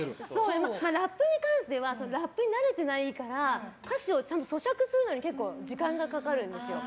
ラップに関してはラップに慣れてないから歌詞をちゃんと咀嚼するのに時間がかかるんですよ。